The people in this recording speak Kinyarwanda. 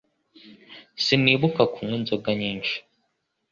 Sinibuka kunywa inzoga nyinshi